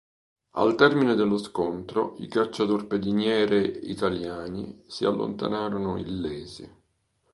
Al termine dello scontro i cacciatorpediniere italiani si allontanarono illesi.